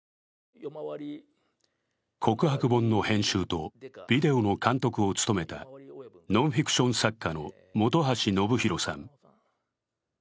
告白本の編集のビデオの監督を務めたノンフィクション作家の本橋信宏さん。